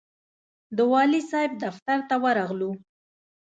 د والي صاحب دفتر ته ورغلو.